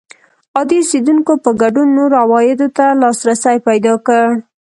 عادي اوسېدونکو په ګډون نورو عوایدو ته لاسرسی پیدا کړ